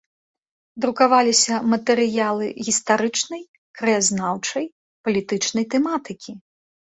Друкаваліся матэрыялы гістарычнай, краязнаўчай, палітычнай тэматыкі.